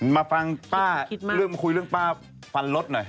มาฟังป้าเริ่มกว่าป้าฟันรถหน่อย